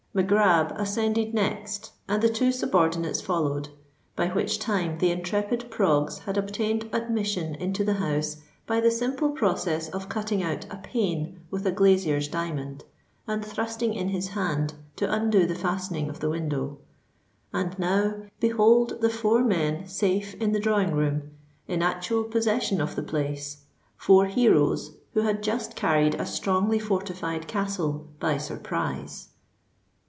Mac Grab ascended next—and the two subordinates followed,—by which time the intrepid Proggs had obtained admission into the house by the simple process of cutting out a pane with a glazier's diamond, and thrusting in his hand to undo the fastening of the window. And now, behold the four men safe in the drawing room—in actual possession of the place,—four heroes who had just carried a strongly fortified castle—by surprise!